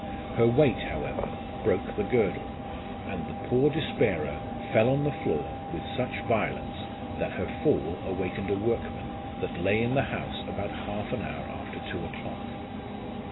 Her weight, how ever, broke the girdle, and the poor despairer fell on the floor with such violence that her fall awakened a workman that lay in the house about half an hour after two o'clock.